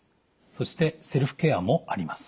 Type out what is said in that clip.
そしてセルフケアもあります。